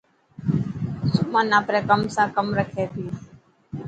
سمن آپري ڪم سان ڪم رکي ٿي.